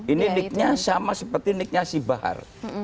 ini nicknya sama seperti nicknya si bahar